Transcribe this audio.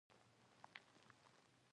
بدرنګه رنګونه د سترګو دشمن وي